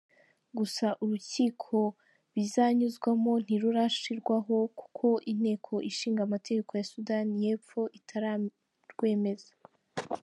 Gusa urukiko bizanyuzwamo ntirurashyirwaho kuko Inteko Ishinga Amategeko ya Sudani y’Epfo itararwemeza.